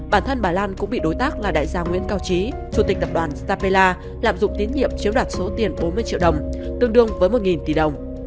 bản thân bà lan cũng bị đối tác là đại gia nguyễn cao trí chủ tịch tập đoàn stepella lạm dụng tín nhiệm chiếm đoạt số tiền bốn mươi triệu đồng tương đương với một tỷ đồng